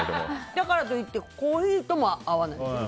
だからといってコーヒーとも合わないですね。